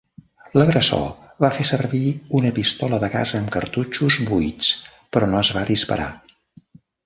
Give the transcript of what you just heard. L'agressor va fer servir una pistola de gas amb cartutxos buits però no es va disparar.